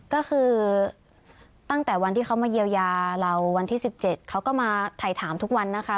ก็คือตั้งแต่วันที่เขามาเยียวยาเราวันที่๑๗เขาก็มาถ่ายถามทุกวันนะคะ